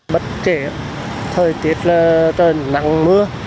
bất kể thời tiết là trời nắng mưa